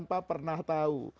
kita gak pernah tahu